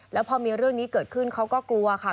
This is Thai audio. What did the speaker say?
แล้วพอมีเรื่องนี้เกิดขึ้นเขาก็กลัวค่ะ